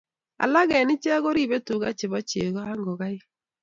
alak eng ichek koribei tuga chebo chego ak ngokaik